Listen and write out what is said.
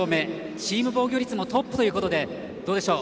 チーム防御率もトップということでどうでしょう